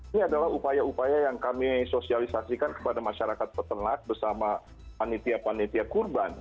ini adalah upaya upaya yang kami sosialisasikan kepada masyarakat peternak bersama panitia panitia kurban